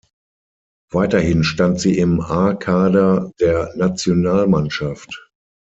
Weiterhin stand sie im A-Kader der Nationalmannschaft.